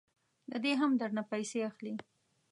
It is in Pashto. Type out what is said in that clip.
ددې هم درنه پیسې اخلي.